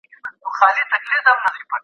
د مړيني په صورت کي څوک ميراث وړي؟